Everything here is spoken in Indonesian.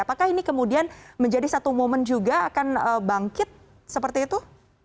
apakah ini kemudian menjadi satu momen juga akan bangkit seperti itu